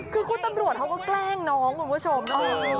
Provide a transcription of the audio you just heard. คือคุณตำรวจเขาก็แกล้งน้องคุณผู้ชม